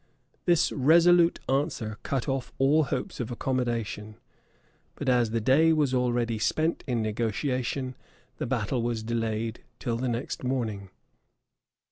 This resolute answer cut off all hopes of accommodation; but as the day was already spent in negotiating, the battle was delayed till the next morning.